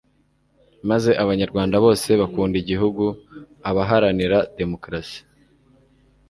maze Abanyarwanda bose bakunda igihugu, abaharanira demukarasi,